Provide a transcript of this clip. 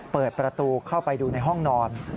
เปิดประตูเข้าไปดูในห้องนอน